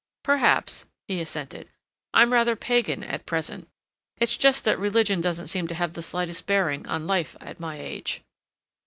"Perhaps," he assented. "I'm rather pagan at present. It's just that religion doesn't seem to have the slightest bearing on life at my age."